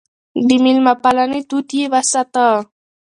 د مېلمه پالنې دود يې وساته.